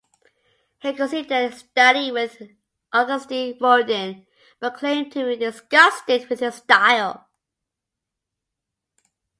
He considered studying with Auguste Rodin, but claimed to be disgusted with his style.